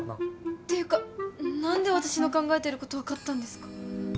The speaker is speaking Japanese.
っていうか何で私の考えてること分かったんですか？